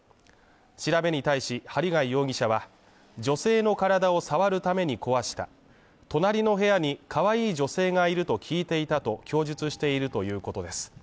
調べに対し針谷容疑者は、女性の体を触るために壊した隣の部屋にかわいい女性がいると聞いていたと供述しているということです。